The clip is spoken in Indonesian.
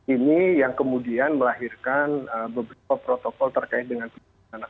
ini yang kemudian melahirkan beberapa protokol terkait dengan pendidikan anak